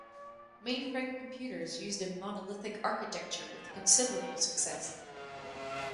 Mainframe computers used a monolithic architecture with considerable success.